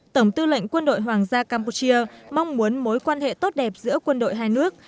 tổng tư lệnh quân đội hoàng gia campuchia mong muốn mối quan hệ tốt đẹp giữa quân đội hai nước